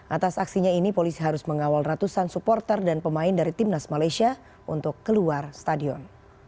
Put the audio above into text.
atas aksinya ini polisi harus mengawal ratusan supporter dan pemain dari timnas malaysia untuk keluar stadion